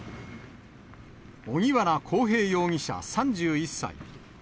荻原航平容疑者３１歳。